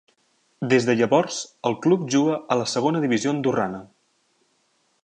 Des de llavors, el club juga a la segona divisió andorrana.